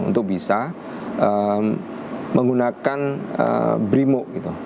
untuk bisa menggunakan brimo